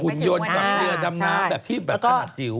หุ่นยนต์กลางเรือดำน้ำแบบที่แบบขณะจิ๋ว